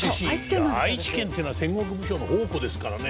いや愛知県っていうのは戦国武将の宝庫ですからね。